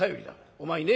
お前ね